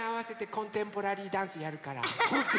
コンテンポラリーダンスやるの？